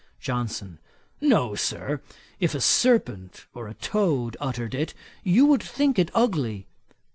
JOHNSON. 'No, Sir, if a serpent or a toad uttered it, you would think it ugly.'